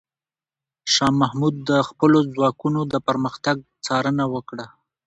شاه محمود د خپلو ځواکونو د پرمختګ څارنه وکړه.